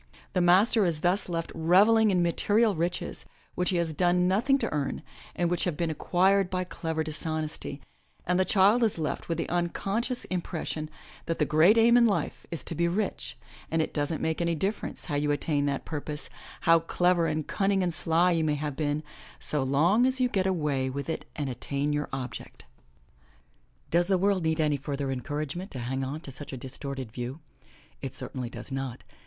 The master is thus left revelling in material riches which he has done nothing to earn, and which have been acquired by clever dishonesty; and the child is left with the unconscious impression that the great aim in life is to be rich, and it doesn't make any difference how you attain that purpose, how clever and cunning and sly you may have been, so long as you get away with it and attain your object. Does the world need any further encouragement to hang on to 205 MY BOOK HOUSE such a distorted view? It certainly does not.